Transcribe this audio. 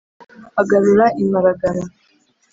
agarura i maragara,